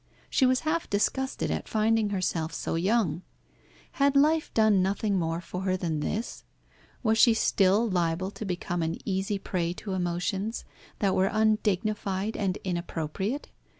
She was half disgusted at finding herself so young. Had life done nothing more for her than this? Was she still liable to become an easy prey to emotions that were undignified and inappropriate?